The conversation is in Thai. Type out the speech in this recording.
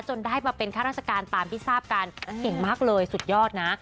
ได้มาเป็นข้าราชการตามที่ทราบกันเก่งมากเลยสุดยอดนะ